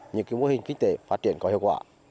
những mô hình kinh tế phát triển có hiệu quả